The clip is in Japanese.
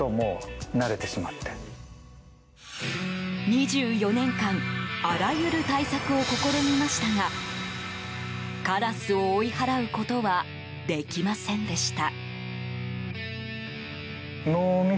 ２４年間あらゆる対策を試みましたがカラスを追い払うことはできませんでした。